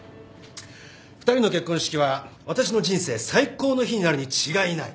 ２人の結婚式は私の人生最高の日になるに違いない。